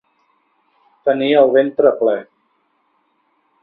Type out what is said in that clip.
Tenir el ventre ple.